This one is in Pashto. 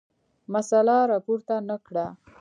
مسله راپورته نه کړه.